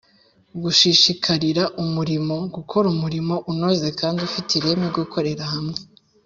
gushishikarira umurimo, gukora umurimo unoze kandi ufite ireme, gukorera hamwe,